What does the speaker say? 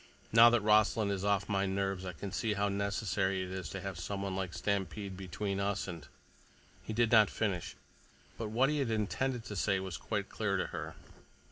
Now that Rossland is off my nerves, I can see how necessary it is to have someone like Stampede between us and—" He did not finish, but what he had intended to say was quite clear to her.